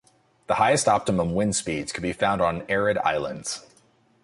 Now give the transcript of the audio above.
The highest optimum wind speeds could be found on arid islands.